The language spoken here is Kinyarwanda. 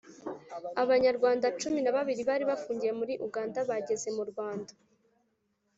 abanyarwanda cumin na babiri bari bafungiye muri Uganda bageze mu Rwanda